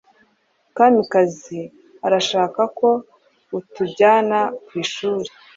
Kamikazi arashaka ko utujyana ku ishuri.